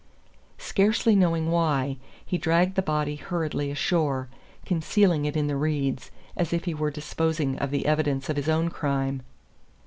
Scarcely knowing why, he dragged the body hurriedly ashore, concealing it in the reeds, as if he were disposing of the evidence of his own crime.